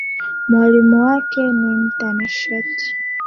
Mwalimu wake ni mtanashati